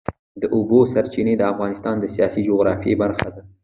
د اوبو سرچینې د افغانستان د سیاسي جغرافیه برخه ده.